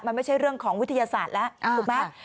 มันไม่ใช่เรื่องของวิทยาศาสตร์แล้วถูกไหม